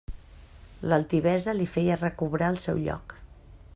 L'altivesa li feia recobrar el seu lloc.